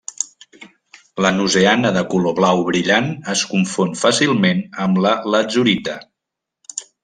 La noseana de color blau brillant es confon fàcilment amb la latzurita.